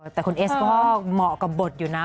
แต่คุณเอสก็เหมาะกับบทอยู่นะ